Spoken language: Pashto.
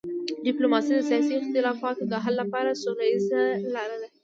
ډیپلوماسي د سیاسي اختلافاتو د حل لپاره سوله ییزه لار ده.